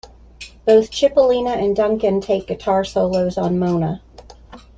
Both Cipollina and Duncan take guitar solos on "Mona".